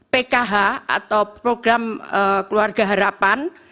pkh atau program keluarga harapan